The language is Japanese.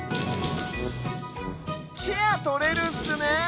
チェアとれるっすね！